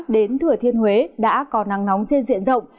đến thừa thiên huế đã có nắng nóng trên diện rộng